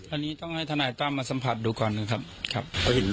อันนี้ต้องให้ทนายตั้มมาสัมผัสดูก่อนนะครับครับ